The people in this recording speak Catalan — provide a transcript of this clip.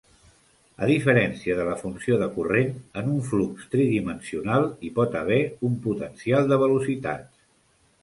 A diferència de la funció de corrent, en un flux tridimensional hi pot haver un potencial de velocitats.